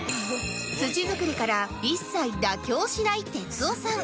土作りから一切妥協しない哲夫さん